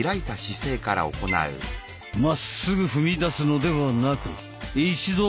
まっすぐ踏み出すのではなく一度